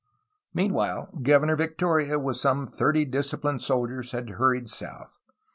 Meanwhile Governor Victoria with some thirty disciplined soldiers had hurried south.